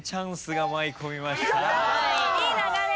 いい流れ。